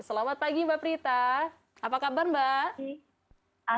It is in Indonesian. selamat pagi mbak prita apa kabar mbak